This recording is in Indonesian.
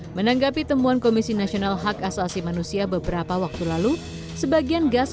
menanggapi temuan komisi nasional hak asasi manusia beberapa waktu lalu sebagian gas